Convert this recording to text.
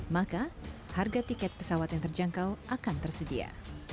maka harga tiket pesawat yang terjangkau akan tersedia